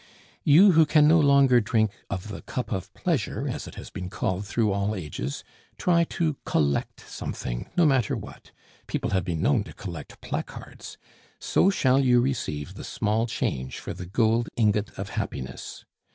You who can no longer drink of "the cup of pleasure," as it has been called through all ages, try to collect something, no matter what (people have been known to collect placards), so shall you receive the small change for the gold ingot of happiness.